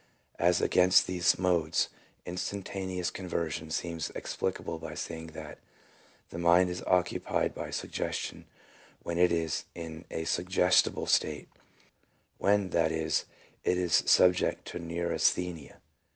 As against these modes, instantaneous conversion seems explicable by saying that the mind is occupied by a sug gestion when it is in a suggestible state — when, that is, it is sub ject to neurasthenia.